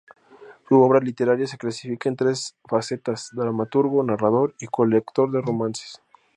Su obra literaria se clasifica en tres facetas: dramaturgo, narrador y colector de romances.